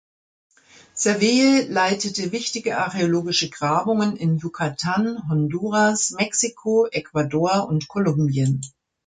Saville leitete wichtige archäologische Grabungen in Yucatan, Honduras, Mexiko, Ecuador und Kolumbien.